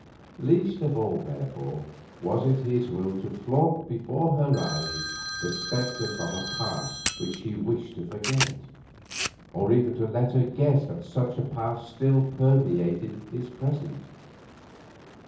Least of all, therefore, was it his will to flaunt before her eyes the spectre from a past which she wished to forget, or even to let her guess that such a past still permeated his present.